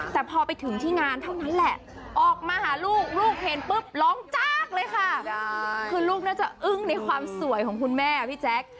แต่พอไปถึงที่งานเท่านั้นแหละออกมาหาลูกลูกเห็นปุ๊บร้องจากเลยค่ะคือลูกน่าจะอึ้งในความสวยของคุณแม่พี่แจ๊ค